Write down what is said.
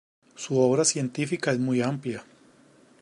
Su obra científica es muy amplia.